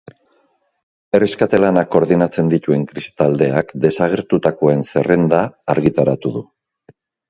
Erreskate lanak koordinatzen dituen krisi taldeak desagertutakoen zerrenda argitaratu du.